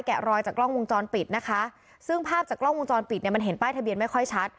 รอยจากกล้องวงจรปิดนะคะซึ่งภาพจากกล้องวงจรปิดเนี่ยมันเห็นป้ายทะเบียนไม่ค่อยชัด